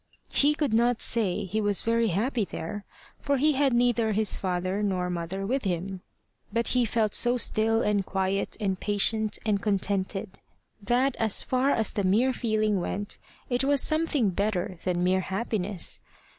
He could not say he was very happy there, for he had neither his father nor mother with him, but he felt so still and quiet and patient and contented, that, as far as the mere feeling went, it was something better than mere happiness.